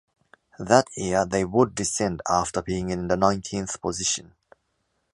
That year they would descend after being in the nineteenth position.